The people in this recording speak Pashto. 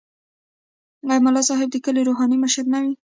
آیا ملا صاحب د کلي روحاني مشر نه وي؟